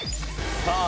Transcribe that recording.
さあ